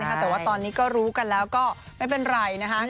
แต่ว่าตอนนี้ก็รู้กันแล้วก็ไม่เป็นไรนะคะ